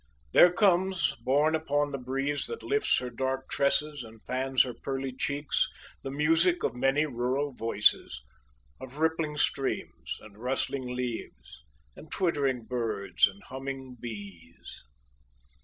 There comes, borne upon the breeze that lifts her dark tresses, and fans her pearly cheeks, the music of many rural voices of rippling streams and rustling leaves and twittering birds and humming bees.